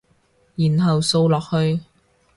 然後掃落去